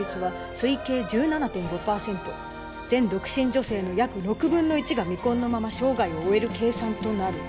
「推計１７．５％」「全独身女性の約６分の１が」「未婚のまま生涯を終える計算となる」